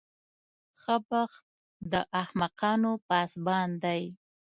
ښه بخت د احمقانو پاسبان دی.